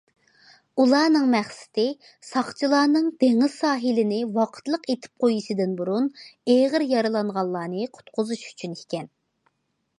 ئۇلارنىڭ مەقسىتى ساقچىلارنىڭ دېڭىز ساھىلىنى ۋاقىتلىق ئېتىپ قويۇشىدىن بۇرۇن ئېغىر يارىلانغانلارنى قۇتقۇزۇش ئۈچۈن ئىكەن.